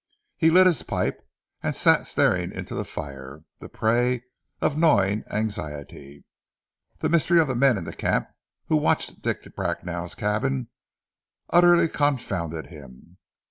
He lit his pipe, and sat staring into the fire, the prey of gnawing anxiety. The mystery of the men in the camp who watched Dick Bracknell's cabin, utterly confounded him.